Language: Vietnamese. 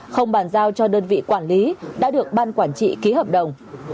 không bàn giao cho đơn vị quản lý đã được ban quản trị ký hợp đồng